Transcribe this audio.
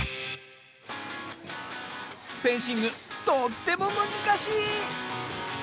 フェンシングとってもむずかしい！